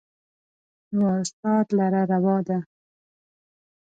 و استاد لره روا ده